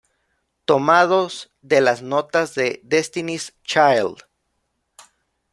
Tomados de las notas de "Destiny's Child".